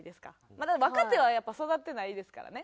まだ若手はやっぱ育ってないですからね。